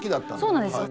そうなんです。